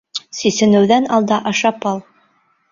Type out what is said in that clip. Сисенеүҙән алда ашап ал!